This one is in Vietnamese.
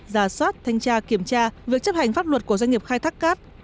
giả soát thanh tra kiểm tra việc chấp hành pháp luật của doanh nghiệp khai thác cát